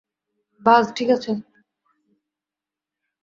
বায, ঠিক আছে।